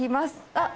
あっ。